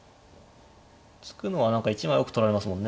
突くのは何か１枚多く取られますもんね。